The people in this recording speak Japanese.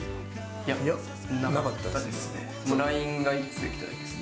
いや、なかったですね。